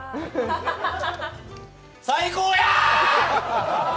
最高やー！！